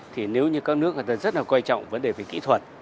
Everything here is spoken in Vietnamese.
thì nếu như các nước rất là quan trọng vấn đề về kỹ thuật